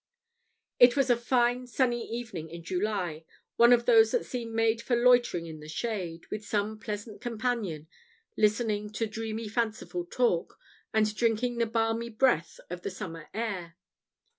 It was a fine sunny evening in July, one of those that seem made for loitering in the shade, with some pleasant companion, listening to dreamy fanciful talk, and drinking the balmy breath of the summer air.